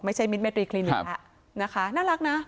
ไม่ใช่มิตรไมตรีคลินิกค่ะนะคะน่ารักนะ